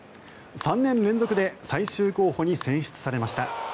３年連続で最終候補に選出されました。